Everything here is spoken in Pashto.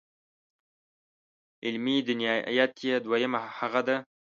علمي دیانت یې دویمه هغه ده.